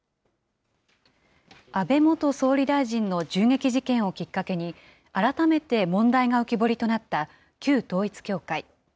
安倍元総理大臣の銃撃事件をきっかけに、改めて問題が浮き彫りとなった旧統一教会。